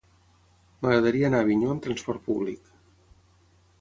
M'agradaria anar a Avinyó amb trasport públic.